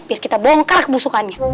biar kita bongkar kebusukannya